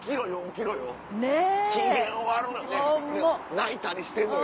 泣いたりしてんのよ。